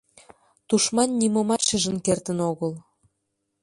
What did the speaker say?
Тушман нимомат шижын кертын огыл.